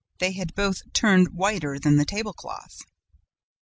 They, had both turned whiter than the table cloth.